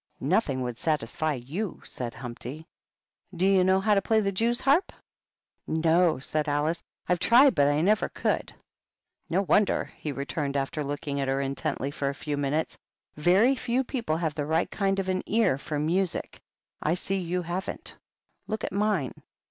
"Nothing would satisfy you^^ said Humpty. "Do you know how to play the jewsharp?" " No," said Alice ;" I've tried, but I never could." "No wonder!" he returned, after looking at her intently for a few minutes. "Very few people have the right kind of an ear for music. I see you haven't: look at mine."